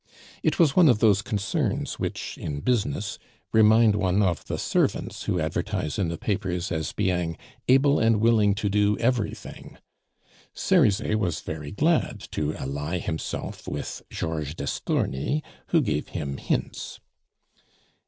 It was one of those concerns which, in business, remind one of the servants who advertise in the papers as being able and willing to do everything. Cerizet was very glad to ally himself with Georges d'Estourny, who gave him hints.